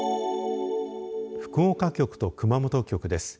福岡局と熊本局です。